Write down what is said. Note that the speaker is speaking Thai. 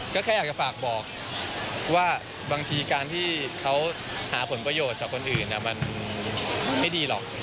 ก็แค่อยากจะฝากบอกว่าบางทีการที่เขาหาผลประโยชน์จากคนอื่นมันไม่ดีหรอก